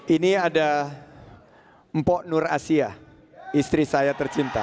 ini ada empok nurasya istri saya tercinta